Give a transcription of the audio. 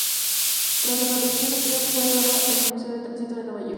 Tras la producción, el tren fue donado al Museo de Tránsito de Nueva York.